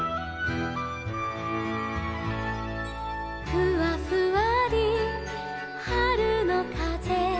「ふわふわりはるのかぜ」